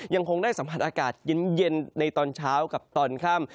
ยังคงได้สัมผัสอากาศเย็นในตอนเช้ากับตอนค่ำ